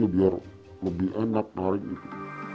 biar lebih enak narik gitu